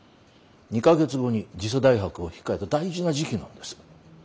２か月後に次世代博を控えた大事な時期なんです。